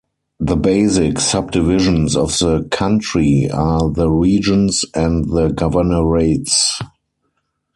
The basic subdivisions of the country are the regions and the governorates.